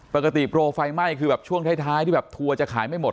ปกติโปรไฟไหม้คือแบบช่วงท้ายที่แบบทัวร์จะขายไม่หมด